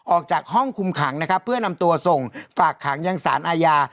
ออกจากห้องคุมขังนะครับเพื่อนำตัวส่งฝากขังยังสารอาญา